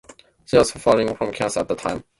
She was suffering from cancer at that time.